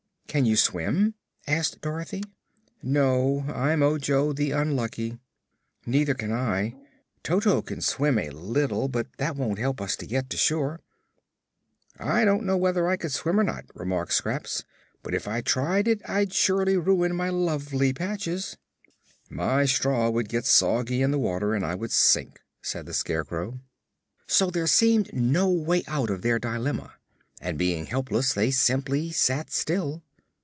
"Can you swim?" asked Dorothy. "No; I'm Ojo the Unlucky." "Neither can I. Toto can swim a little, but that won't help us to get to shore." "I don't know whether I could swim, or not," remarked Scraps; "but if I tried it I'd surely ruin my lovely patches." "My straw would get soggy in the water and I would sink," said the Scarecrow. So there seemed no way out of their dilemma and being helpless they simply sat still.